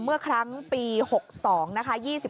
เมื่อครั้งปี๖๒นะคะ